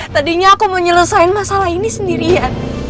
tadinya aku mau nyelesain masalah ini sendiri ya